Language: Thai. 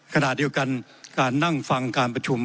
ขณะเดียวกันการนั่งฟังการประชุม